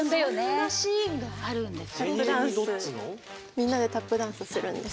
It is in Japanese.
みんなでタップダンスするんです。